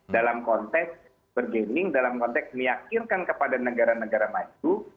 dalam konteks bergening dalam konteks meyakinkan kepada negara negara maju